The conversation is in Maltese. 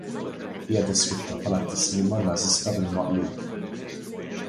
hija deskritta bħala t-tislima Nażista bil-maqlub.